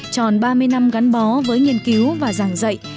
tròn ba mươi năm gắn bó với nghiên cứu và giảng dạy